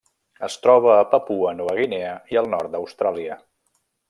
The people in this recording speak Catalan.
Es troba a Papua Nova Guinea i el nord d'Austràlia.